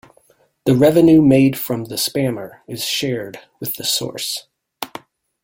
The revenue made from the spammer is shared with the source.